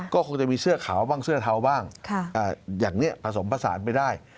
ก็คงจะมีเสื้อขาวบ้างเสื้อเทาบ้างอย่างนี้ผสมผสานไปได้